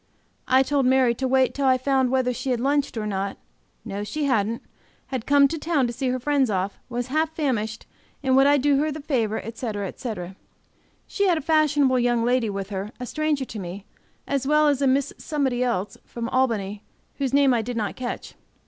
I told Mary to wait till I found whether she had lunched or not; no, she hadn't; had come to town to see friends off, was half famished, and would I do her the favor, etc., etc. She had a fashionable young lady with her, a stranger to me, as well as a Miss Somebody else, from Albany, whose name I did not catch.